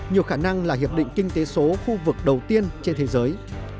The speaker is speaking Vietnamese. nhiều khả năng là hiệp định kinh tế số khu vực đầu tiên trên thế giới